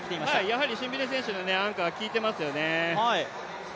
やはりシンビネ選手のアンカー、効いてますよね。